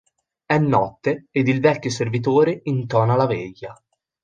È notte ed il vecchio servitore intona la veglia.